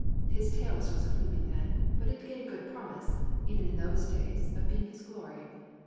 His tail was not so plumy then, but it gave good promise, even in those days, of being his glory.